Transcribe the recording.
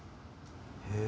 へえ。